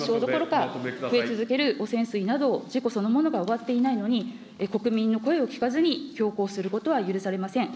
増え続ける汚染水など、事故そのものが終わっていないのに、国民の声を聞かずに強行することは許されません。